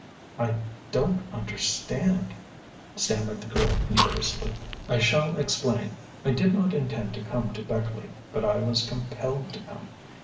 "I don't understand," stammered the girl nervously. "I shall explain. I did not intend to come to Beckleigh, but I was compelled to come.